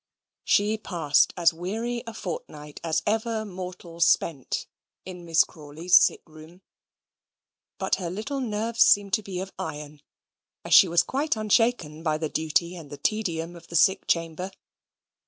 She passed as weary a fortnight as ever mortal spent in Miss Crawley's sick room; but her little nerves seemed to be of iron, as she was quite unshaken by the duty and the tedium of the sick chamber.